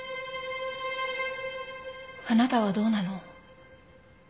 あなたはどうなの？